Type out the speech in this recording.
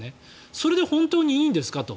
それで本当にいいんですかと。